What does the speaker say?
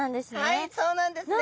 はいそうなんですね。